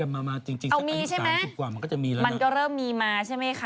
เอามีใช่ไหมมันก็เริ่มมีมาใช่ไหมค่ะ